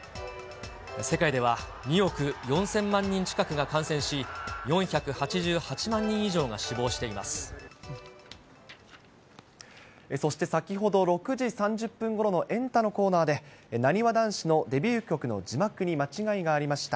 世界では２億４０００万人近くが感染し、そして先ほど６時３０分ごろのエンタのコーナーで、なにわ男子のデビュー曲の字幕に間違いがありました。